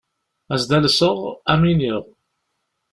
Ad s-d-alseɣ, ad am-iniɣ.